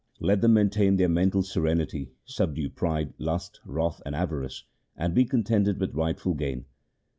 Let them maintain their mental serenity, subdue pride, lust, wrath, and avarice, and be contented with rightful gain.